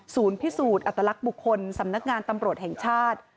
พิสูจน์อัตลักษณ์บุคคลสำนักงานตำรวจแห่งชาติ